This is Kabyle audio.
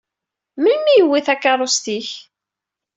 Melmi i yewwi takeṛṛust-ik?